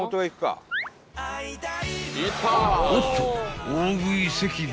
［おっと］